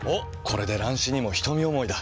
これで乱視にも瞳思いだ。